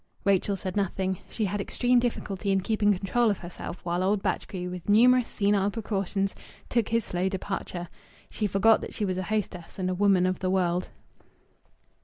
Rachel said nothing. She had extreme difficulty in keeping control of herself while old Batchgrew, with numerous senile precautions, took his slow departure. She forgot that she was a hostess and a woman of the world.